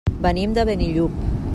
Venim de Benillup.